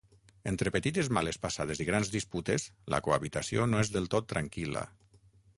Entre petites males passades i grans disputes, la cohabitació no és del tot tranquil·la.